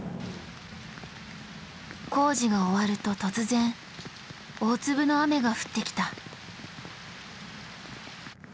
工事が終わると突然大粒の雨が降ってきた。